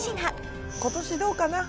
今年どうかな？